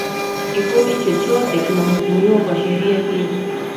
kikundi chochote kinahukumiwa kwa sheria hiyo